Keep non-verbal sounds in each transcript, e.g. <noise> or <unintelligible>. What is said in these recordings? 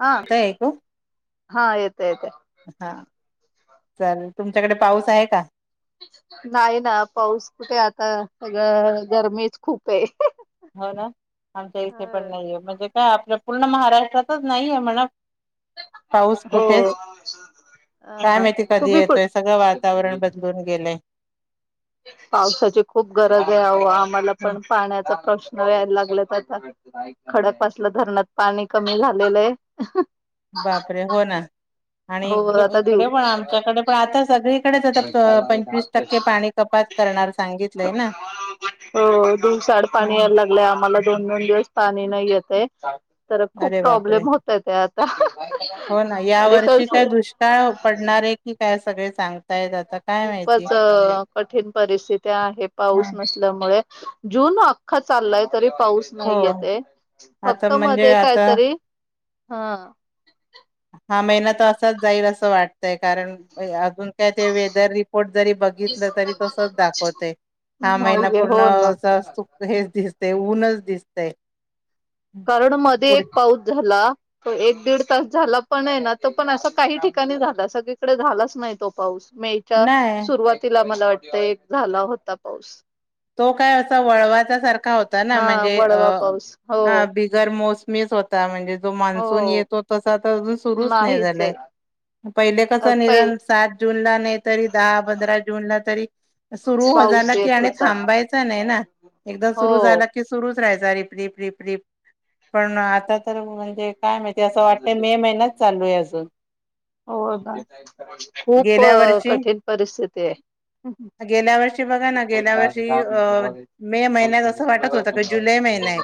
हा कुठ या ग हा येत येत हा चल तुमच्याकडे पाऊस आहे का नाही ना पाऊस कुठे आता सगळ गरमीच खुप ये. हो ना आमच्या इथे पण नाहीये म्हणजे काय आपल्या पुर्ण महाराष्ट्रातच नाहीये म्हणा पाऊस हो कुठेच काय ना माहिती कधी तुम्ही कुठ येतोय सगळ वातावरण बदलुन गेलेय. पावसाची खुप गरज आहे ओ आम्हाला पण पाण्याचा प्रश्न नळ यायला लागलंत आता खडक पासलं धरणात पाणी कमी झालेलय. बापरे हो ना आणि हो इकडे आता दिव इकडे पण आमच्याकडे पण आता सगळीकडेच आता पंचवीस टक्के पाणी कपात करणार सांगितलंय ना हो दिवसाड पाणी यायला लागलं आम्हाला दोन दोन दिवस पाणी नाही येते तर खूप अरे बापरे प्रॉब्लेम होतय ते आता हो ना या आणि वर्षी कसं काय दुष्काळ पडणार आहे की काय सगळे सांग खूपच कठीण परिस्थिती आहे हा पाऊस नसल्यामुळे जून अख्खा चाललाय तरी पाऊस हो नाही येते आता फक्त म्हणजे मध्ये आता काहीतरी हा हा मेना तर असाच जाईल असं वाटतय कारण अून काय ते वेदर रिपोर्ट जरी बघितलं तरी तसच दाखवते हा महिना नाही पूर्ण हो ना अस चू हेच दिसतय ऊनच दिसतय कारण मध्ये एक पाऊस झाला एक दीड तास झाला पण आहे ना तो पण असा काही ठिकाणी झाला सगळीकडे झालाच नाही तो पाऊस मेच्या नाही सुरुवातीला मला वाटत एक झाला होता पाऊस तो काय अस वळवाचा सारखा होता ना हा म्हणजे वळवा पाऊस हो अ जर मोसमीच होता म्हणजे जो मान्सून हो येतो तसा तर अजून सुरूच नाही नाहीच झालाय आहे पहिले कस पै निदान सात जूनला नाही तरी दहा पंधरा जूनला तरी सुरू हो झाला पाऊस की येत आणि होता. थांबायचं नाही ना एकदा सुरू हो झाला की सुरु रप रप रप र पण आता म्हणजे काय माहिती असं वाटत मे महिना्यात चालू आहे अजून हो खूप गेल्या वर्षी कठीण परिस्थिती आहे गेल्या वर्षी बघा ना गेल्या वर्षी अ मे महिन्यात असं वाटत होत का जुलै महिनाय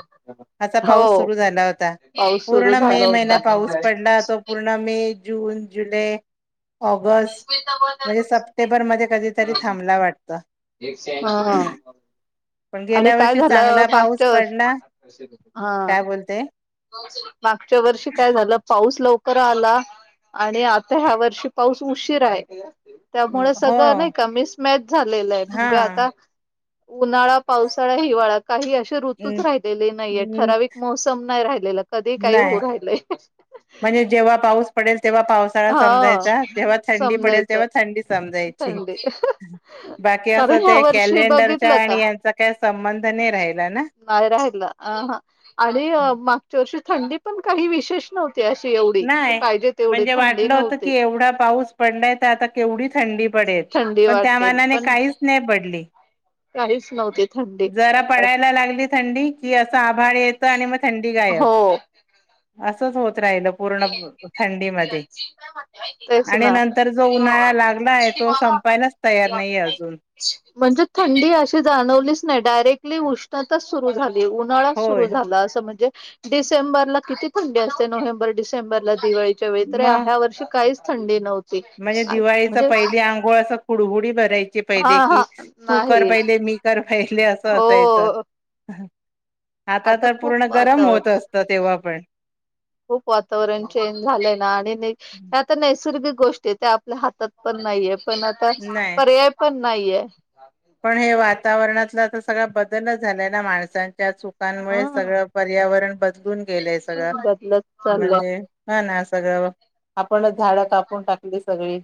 असा पाऊस हो सुरु झाला होता. पाऊस सुरू पूर्ण मे झाला महिना होता. पाऊस पडला तो पूर्ण मे, जून, जुलै ऑगस्ट म्हणजे सप्टेंबरमध्ये कधीतरी थांबला वाटतं. हा. पण आणि गेल्या काय वर्षी झालं चांगला पाऊस मागच्या पडला वर्षी हा. काय बोलते मागच्या वर्षी काय झालं पाऊस लव कर आला आणि आता ह्या वर्षी पाऊस उशीराय. त्यामुळे हो सगळं नाही का मिसमॅच झालेलंय हा म्हणजे आता उन्हाळा, पावसाळा, हिवाळ्यात काही अशी ऋतूच राहिलेली नाहीये नाही ठराविक मोसम नाही राहिलेलं कधी काही होऊ राहिलंय. म्हणजे जेव्हा पाऊस पडेल तेव्हा पावसाळा हा समजायचा, जेव्हा थंडी पडेल समजायचं तेव्हा थंडी समजायची. थंडी बाकी असं कारण ह्या ते वर्षी कॅलेंडरच्या बघितलं का आणि यांचा काय संबंध नाही राहिला ना. नाहीय राहिला अह आणि मागच्या वर्षी थंडीत पण काही विशेष नव्हती अशी एवढी की नाही पाहिजे तेवढेचं म्हणजे वाटलं होत की एवढा पाऊस पडलाय त आता केवढी थ थंडी पडेल थंडी पण त्या वाटेल मानाने पण काहीच नाही पडली. काहीच नव्हती थंडी जरा पडायला लागली थंडी की असं आभाळ येत आणि मग थंडी गायब हो असंच होत राहिल. पूर्ण प थंडी मध्ये तेच आणि ना नंतर जो उन्हाळा लागलाय तो स संपायलाच तयार नाहीये अजून. म्हणजे थंडी अशी जाणवलीच नाही डायरेक्ट उष्णताचं सुरु झाली उन्हाळाचं सुरु होय झाला असं म्हणजे डिसेंबरला किती थंडी असते नोव्हेंबर, डिसेंबरला दिवाळीच्या वेळी तर ह्या मग या वर्षी काहीच थंडी नव्हती. म्हणजे दिवाळीचा म्हणजे पहिली आंघोळ असं कुडहुडी भराय हा पहिले की हा तू कर नाही पाहिले, मी कर पाहिले अस हो असायचं अ हं. आता तर खूप पूर्ण गरम वातावरण होत असत तेव्हा पण खूप वातावरण चेंज झालंय ना आणि आता नैसर्गिक गोष्टी त्या आपल्या हातात पण नाहीये पण आता नाही पर्याय पण नाहीये. पण हे वातावरणातलं तर सगळा बदलच झालाय ना माणसां त्या चुकांमुळे हा सगळं पर्यावरण बदलून गेलंय सगळं. बदलत चाललंय म्हणजे हा ना सगळं आपणच झाडं कापून टाकली सगळी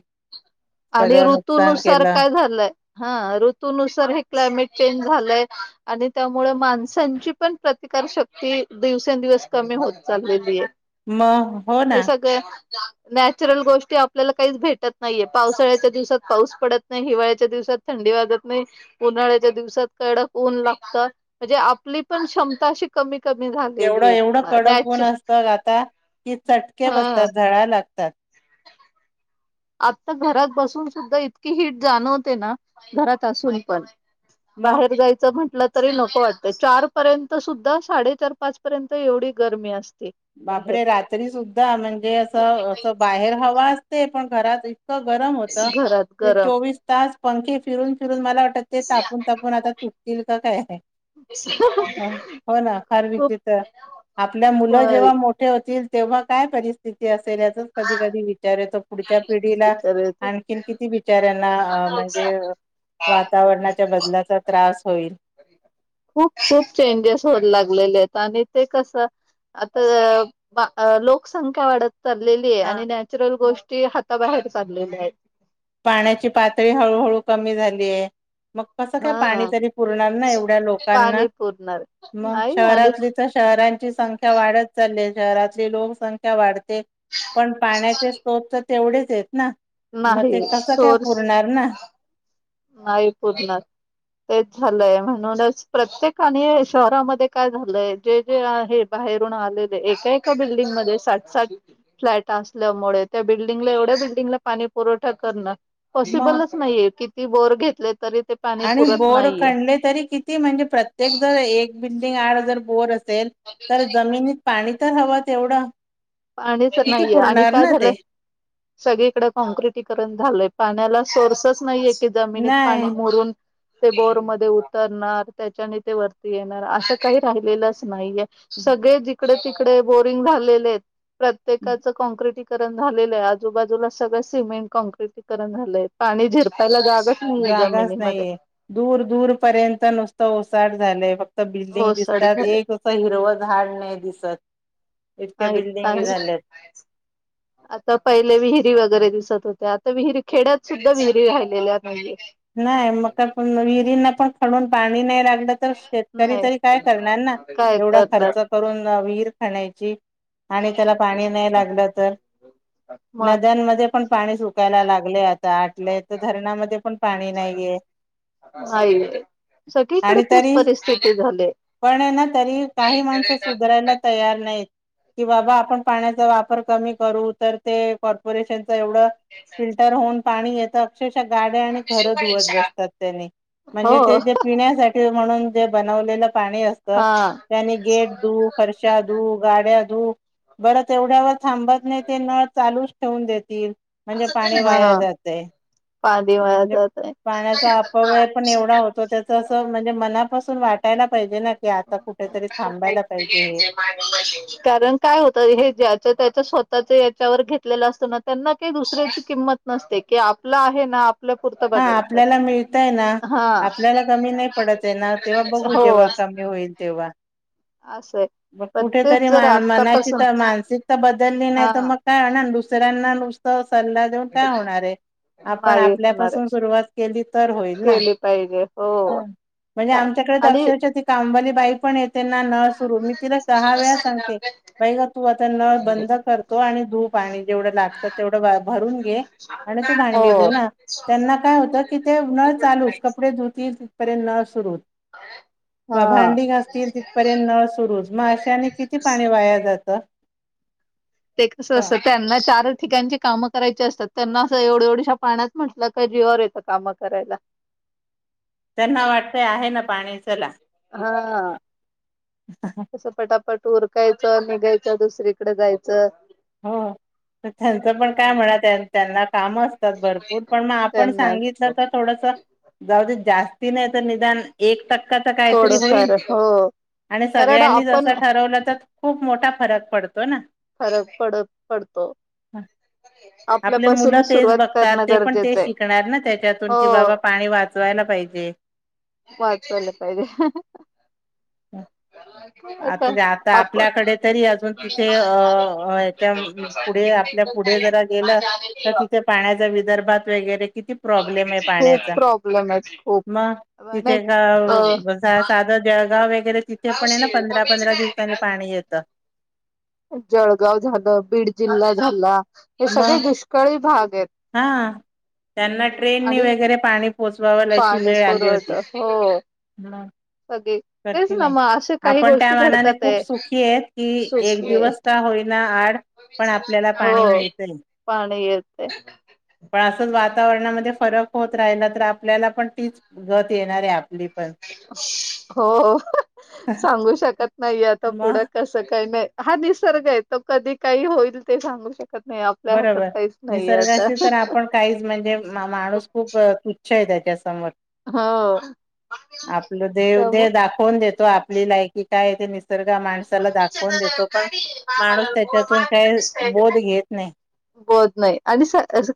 आणि सगळं नुकसान ऋतुनुसार केलं काय झालंय? हा ऋतनुसार हे क्लायमेट चेंज झालंय आणि त्यामुळे माणसांची पण प्रतिक कार शक्ती दिवसेंदिवस कमी होत चाललेलीये. म हो ना. नॅचरल गोष्टी आपल्याला काहीच भेटत नाहीयेत. पावसाळ्याच्या दिवसात पाऊस पडत नाही हिवाळ्याच्या दिवसात थंडी वाजत नाही उन्हाळ्याच्या दिवसात कडक ऊन लागत म्हणजे आपली पण क्षमता अशी कमी कमी एवढं झालेली एवढं आहे कडक ऊन नॅचर असतं आता कि चटके हा. बसतात झळा लागतात आता घरात बसून सुद्धा इतकी हिट जाणवते ना घरात असून पण मग बाहेर जायचं म्हंटलं तरी नको वाटत चार पर्यंत सुद्धा साडे चार पाच पर्यंत एवढी गर्मी अस बापरे रात्री सुद्धा म्हणजे असं असं बाहेर हवा असते पण घरात इत क गरम होत घरात ते गरम चोवीस तास पंखे फिरून फि मला वाटत ते तापून तापून आता तुटतील का काय अ हं. ह हो ना फार खूप विचित्र आपल्या मुला जेव्हा मोठे होतील तेव्हा काय परिस्थिती असेल याचचं कधी कधी विच चार येतो पुढच्या पिढीला विचारायच आणखीन किती बिचार्या ना म्हणजे अ वातावरणाच्या बदलाचा त्रास होईल. खूप खूप चेंजेस होत लागलेले आहेत आणि ते कस आता लोकसंख्या वाढत चाललेली आहे हा आणि नॅचरल मग गोष्टी हाताबाहेर चाललेल्या आहेत पाण्याची पातळी हळूहळू कमी झालीय मग कसं काय पाणी हा तरी पुरणार ना एवढ्या लोकांना पाणी पुरणार मग नाही आणि शहरातली तर शहरांची संख्या वाढत चालली शहरातली लोकसंख्या वाढते पण पाण्याचे स््रोत तर तेवढेच आहेत ना मग नाही ते कसं काय सोर्स पुरणार ना. नाही पुरण तेच झालंय म्हणूनच प्रत्येकाने शहरामध्ये काय झालंय जे जे आहे बा र आ एका एका बिल्डिंगमध्ये साातात फ्लॅट असल्यामुळे त्या बिल्डिंगला एवढे बिल्डंग पाणी पुरठा कर मग पसिबलच नाहीये क आणि बोर नाहीये काणले तरी किती म्हणजे प्रत्येक जर एक बिल्डिंग आड जर बोर असेल तर जमिनीत पाणी तर हवं तेवढं पाच किती नाहीये आणि पुरणार काय ना झालंय ते सगळीकडे कॉँक्रिटीकरण झालय पाण्याला सोर्सच नाहीये की जमिनीत नाही पाणी मोरून ते बोर मध्ये उतरणार त्याच्याने ते वरती येणार असं काही राहिलेलंच नाहीे सगळे जिकडे तिकडे बोरिंग झालेले आहेत प्रत्येकाच कॉँक्र्रीट ण झाले आहे आजूबाजूला सगळ सिमेंट कॉँक्र्रीट वकरण झालंय पाणी झिरपायला जा जागाच नाहीये दूर दूर पर्यंत नुसतं ओसाड झालंय फक्त बिल्डिंग ओसाड दिसतात झालं एक असं हिरव झाड नाही दिसत ह इतक्या का बिल्डिंगी झाल्यात आता पहिले विहिरी वगैरे दिसत होते आता विहिरी खेड्यात सुद्धा विहिरी राहिलेल्या आहेत नाही मगण विहिरींना पण खडून पाणी नाही राग म्ह तर शेतकरी नाही तरी काय करणार ना काय एवढा खर्च करणार करून विहीर खाण्याची आणि त्याला पाणी नाही लागलं तर मग नद्यांमध्ये पण पाणी सुकायला लागले आता आटले तर धरणामध्ये पण णी नाहीय ग नाही सगळीकडे तीच तरी परिस्थिती झाली पण आतना तरी काही माणसं सुधरायला तयार नाही त,, बाबा आपण पाण्याचा वापर कमी करू तर ते कपरेशनऽऽ वढं,, फिल्टर होऊन पाणी येतं अक्षऽऽ घरं धुवत बसतात त्याने,, हो म्हणजे ते जे पिण्यासाठी म्हणून जे बनवलेलऽऽ पाणी असत,, हा त्यानी गेट धू, फर्षा धू, गाड्या धूऽऽ बर तेवढ्यावर थांबत नाहीत, ते नळ चालूच ठेवून देतील. म्हणजे पाणी वाया हा जातय, पाणी वाया म्हणजे‌ जात आहे. पाण्याचा अपव्यय पण एवढा होतो त्, याच असं म्हणजे, मनापासून वाट पाहिजे हे कारण काय होत हे ज्याच्याऽऽऽ त्यातच होत ग ते याच्यावर घेतले असतो ना, त्यांना काही दुसऱ्याची किंमत नसते, क की आपला आहे नाऽऽ हा, आपल्याला मिळतंय ना, हा आपल्याला कमी नाही पडत आह ना, तेव्हा बघू हो जेव्हाऽऽ कमी होईल तेव्हा. असं आहे म पण तेच अऽकुठेतरी जर मनाची आतापासून तर मानसिकता बलऽऽ बदलली नाही, हा तर मग काय होणार दुसऱ्यांना नुसतं सल्ला देऊन काय होणार आये. आपण नाही होणार आपल्यापासून आहे सुरुवात केली तर होईल ना.. केली पाहिजे हो ह.. म्हणजे का, आमच्याकडे तर आणि अक्षरश ती कामवाली बाई पण येते ना नळ सुरू मीऽऽ तिला दहा वेळा सांगते,, बाई ग! तू आता नळ बंद कर तो आणि धू पाणी जेवढं लागतऽऽ तेवढं बा भरून घेऽ आणि तू भांडी धूऊन आन, त्यांना काय होतं, की ते नळ चालूच, कपडे धुतील तिथपर्यंत नळऽऽ सुरू, भ, हा भांडी घासतीलऽऽऽ पर्यंत नळ सुरूच,, मग अशाने किती पाणी वाया जातं.. ते कस अस त्यांना चारऽऽ ठिकाणची कामं करायची असतात, त्यांना असं एवढ्या, एवढ्याश्या पाण्यात म्हटलं का जीवर येतं कामं करायला. त्यांना वाटतय आहे ना पाणी,,, चला. हा,,, तसं पटापट. उरकायचं, निघायचं, दुसरीकडे जायचं. हो. त्यांचं पण काय ह म्हणा,, त्यांना काम असतात भरपूर, पण मग आपण त्यांना सांगितलं तर थोडंसं ऽऽ जाऊदे, जास्ती नाही तर निदान एक टक्कऽऽ तर काहीतरी थोडं होईल,, फार हो आणि कारण सगळ्यांनी आपण जसं ठरवलं तरऽऽ खूप मोठा फरक पडतो ना. फरक पडत ऽपडतो. <unintelligible> आपले मुलं तेच सुरुवात बघतात,, करणं ते पण ते गरजेचं आहे शिकणार ना,, त्याच्यातून हो कि बाबा पाणी वाचवायलाऽऽ ला पायजे.. वाच ऽऽवले पायजे. हह आता ते आता आपण आपल्याकडे तरी अजून तिथे अऽऽ होय, त्या पुढे, आपल्या पुढे जरा गेलं तर तिथे पाण्याच्या विदर्भात वगैरेऽऽ कि प्रब्लेम य खूप पाण्याचा,, प्रॉब्लेम आहेत खूप मग, तिथे नाही अ अऽऽ साधंऽऽ जळगाव वगैरे तिथे पण आहे ना पंधरा, पंधरा दिवसाांनी पाणी येतं.. जळगाव झालं, बीड जिल्हा झाला, हि सगळी मग दुष्काळी भाग. आहेत हा,, त्यांना ट्रेननी आणि वगैरे पाणीऽऽ पोचवावालाची पाणी वेळ आली होती.. पुरवठा हो सगळे तेच कठीण ना मग असे काही आहेआपण त्या गोष्टी मनाने घडतात खूप आहे सुखी आहेत की एक सुके दिवस का हो आड, पण आपल्याला हो पाणी मिळतं पाणी येते पण असंच वाात वातावरणामध्ये फरक होत राहिला तर आपल्याला पण तीच,, गत येणारे आपली. पण हो, हो सांगू शकत नाहीे आता,, मग पुढं कसं कायऽऽ हा निसर्ग आहे तो कधी काही होईल ते सांगू शक बरोबर निसर्गाशी तर आपण काहीच म्हणजे माणूस खूप तुच्छ आहे त्याच्या हो आपलं देव त्यामुळे दे दाखवून देतो आपली लायकी काय ते निसर्ग माणसाला दाखवून देतो पण माणूस त्याच्यातून काय बोध घेत हो बत नाही आणि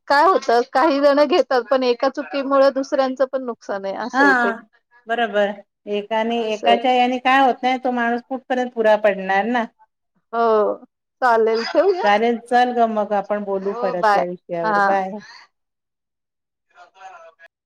काय होत काही जण घेतात पण एका चुकीमुळे दुसऱ्यांचं पण नक हा बरोबर एकाने असं आहे. एकाच्या या काय होत नाही तो माणूस कुठपर्यंत पुरा पडणार ना हा चालेल चल ग मग आपण बोलू हो परत बाय या विषयावर बाय ज्ञयरररधदक्षज्ञ त